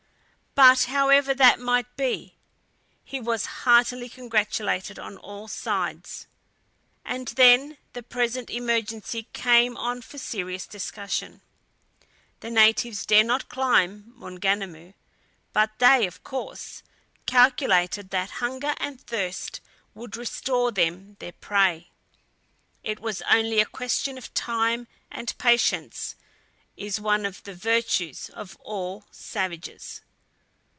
But however that might be, he was heartily congratulated on all sides. And then the present emergency came on for serious discussion. The natives dare not climb Maunganamu, but they, of course, calculated that hunger and thirst would restore them their prey. It was only a question of time, and patience is one of the virtues of all savages.